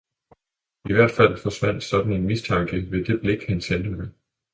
I hvert fald forsvandt sådan en mistanke ved det blik, han sendte mig.